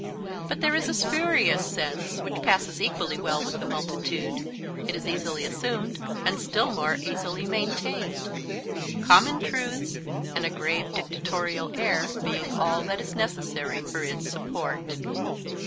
But there is a spurious sense, which passes equally well with the multitude; it is easily assumed, and still more easily maintained; common truths and a grave dictatorial air being all that is necessary for its support.